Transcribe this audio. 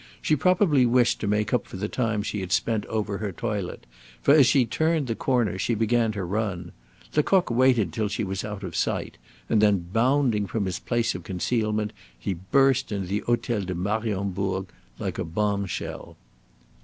She probably wished to make up for the time she had spent over her toilet, for as she turned the corner she began to run. Lecoq waited till she was out of sight, and then bounding from his place of concealment, he burst into the Hotel de Mariembourg like a bombshell.